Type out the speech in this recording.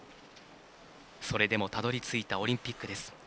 それでもたどりついたオリンピックです。